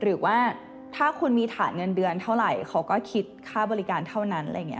หรือว่าถ้าคุณมีฐานเงินเดือนเท่าไหร่เขาก็คิดค่าบริการเท่านั้นอะไรอย่างนี้